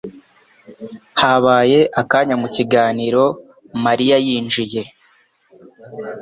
Habaye akanya mu kiganiro Mariya yinjiye